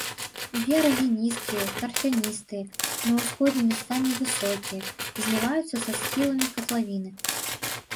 Берагі нізкія, тарфяністыя, на ўсходзе месцамі высокія, зліваюцца са схіламі катлавіны.